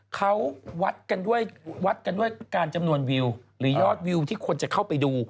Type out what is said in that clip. เขาวัดกันด้วยวัดกันด้วยการจำนวนวิวหรือยอดวิวที่คนจะเข้าไปดู